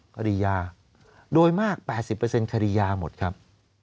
คดียาโดยมาก๘๐คดียาหมดครับ